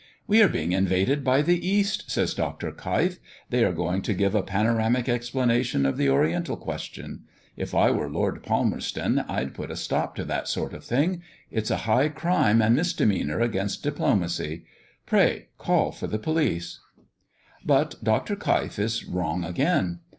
"We are being invaded by the East!" says Dr. Keif. "They are going to give a panoramic explanation of the Oriental question. If I were Lord Palmerston, I'd put a stop to that sort of thing. It's a high crime and misdemeanour against diplomacy. Pray call for the police!" But Dr. Keif is wrong again.